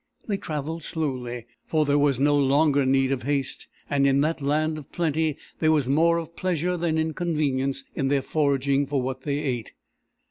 They travelled slowly, for there was no longer need of haste; and in that land of plenty there was more of pleasure than inconvenience in their foraging for what they ate.